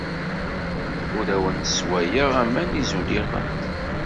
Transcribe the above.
Ur awen-sswayeɣ aman n yizuliɣen.